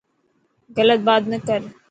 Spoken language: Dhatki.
گلت بات نه ڪر.